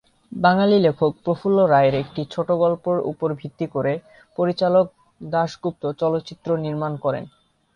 বাঙালি লেখক প্রফুল্ল রায়ের একটি ছোটগল্পের উপর ভিত্তি করে, পরিচালক দাশগুপ্ত চলচ্চিত্রটি নির্মাণ করেন।